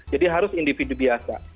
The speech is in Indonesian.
jadi harus individu biasa